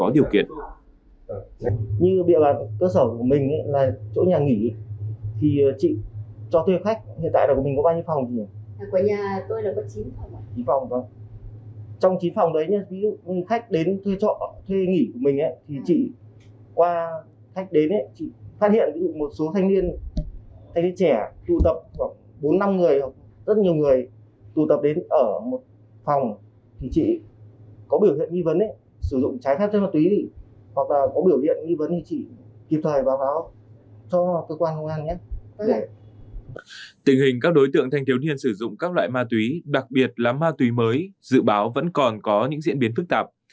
tình hình các đối tượng thanh thiếu niên sử dụng các loại ma túy đặc biệt là ma túy mới dự báo vẫn còn có những diễn biến phức tạp